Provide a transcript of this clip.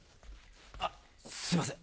あっすいません。